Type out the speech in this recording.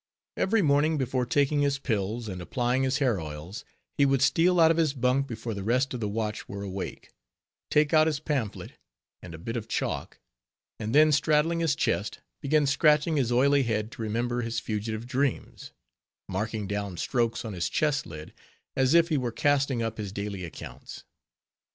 Every morning before taking his pills, and applying his hair oils, he would steal out of his bunk before the rest of the watch were awake; take out his pamphlet, and a bit of chalk; and then straddling his chest, begin scratching his oily head to remember his fugitive dreams; marking down strokes on his chest lid, as if he were casting up his daily accounts.